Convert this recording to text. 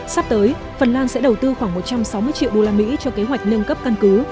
sắp tới phần lan sẽ đầu tư khoảng một trăm sáu mươi triệu usd cho kế hoạch nâng cấp căn cứ